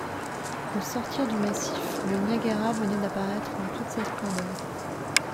Au sortir du massif, le Niagara venait d’apparaître dans toute sa splendeur.